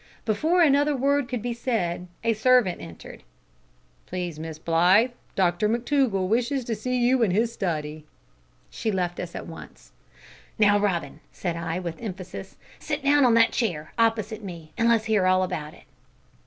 Before another word could be said, a servant entered: "Please, Miss Blythe, Doctor McTougall wishes to see you in his study." She left us at once. "Now, Robin," said I, with emphasis, "sit down on that chair, opposite me, and let's hear all about it."